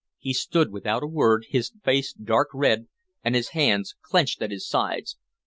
He stood without a word, his face dark red and his hands clenched at his sides.